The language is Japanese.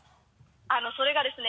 それがですね